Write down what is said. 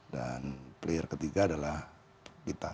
dan player ketiga adalah kita